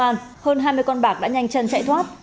anh trân chạy thoát